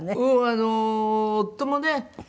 あの夫もね